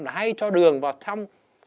là hay cho đường vào trong